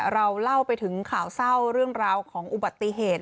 เราเล่าไปถึงข่าวเศร้าเรื่องราวของอุบัติเหตุ